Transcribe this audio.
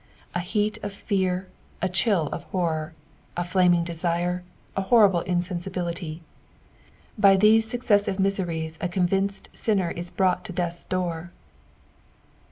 A heat of fear, a chill of horror, a flaming desire, a homble insensibility — by thepe successive miBeiieH a convinced Binner is brought to death's door.